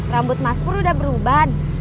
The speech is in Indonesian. rambut mas pur udah beruban